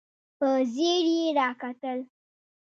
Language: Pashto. په ځير يې راکتل.